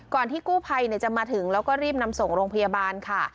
ที่กู้ภัยจะมาถึงแล้วก็รีบนำส่งโรงพยาบาลค่ะ